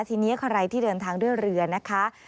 ทีนี้ใครที่เดินทางด้วยเรือนะคะ